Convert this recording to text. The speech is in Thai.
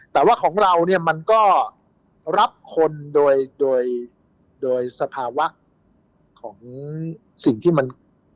แต่ว่าของเราเนี่ยมันก็รับคนโดยโดยสภาวะของสิ่งที่มัน